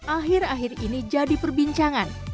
akhir akhir ini jadi perbincangan